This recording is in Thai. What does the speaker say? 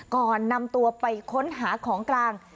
ก่อนนำตัวไปค้นหาของกลาง